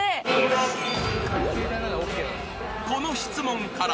［この質問から］